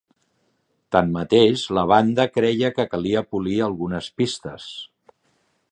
Tanmateix, la banda creia que calia polir algunes pistes.